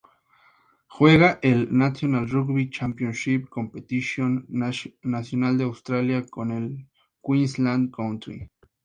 Juega el National Rugby Championship, competición nacional de Australia, con el Queensland Country.